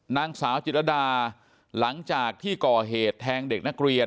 นางสาวจิตรดาหลังจากที่ก่อเหตุแทงเด็กนักเรียน